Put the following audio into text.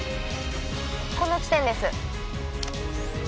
この地点です。